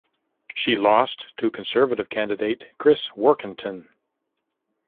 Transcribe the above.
She lost to Conservative candidate Chris Warkentin.